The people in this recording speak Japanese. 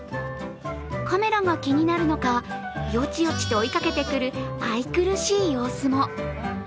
カメラが気になるのか、よちよちと追いかけてくる、愛くるしい様子も。